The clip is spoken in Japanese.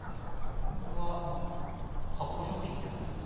これは発酵食品みたいな感じなんですか？